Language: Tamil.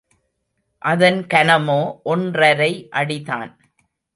அதன் கனமோ ஒன்றரை அடிதான்.